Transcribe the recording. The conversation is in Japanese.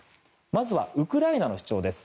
まずは、ウクライナの主張です。